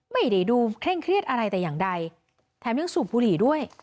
ไม่ได้ดูเคร่งเครียดอะไรแต่อย่างใดแถมยังสูบบุหรี่ด้วย